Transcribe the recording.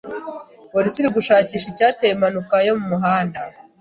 Polisi iri gushakisha icyateye impanuka yo mu muhanda.